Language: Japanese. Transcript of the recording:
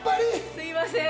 すみません。